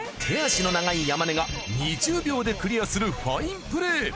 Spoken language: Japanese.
手足の長い山根が２０秒でクリアするファインプレー。